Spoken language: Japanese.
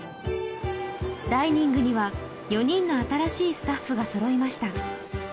ダイニングには４人の新しいスタッフが揃いました